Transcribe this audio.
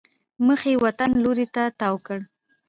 مخ یې وطن لوري ته تاو کړی.